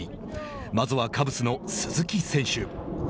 まずはカブスの鈴木選手。